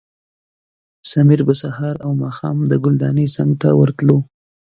سمیر به سهار او ماښام د ګلدانۍ څنګ ته ورتلو.